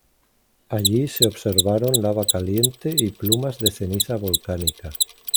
Allí se observaron lava caliente y plumas de ceniza volcánica.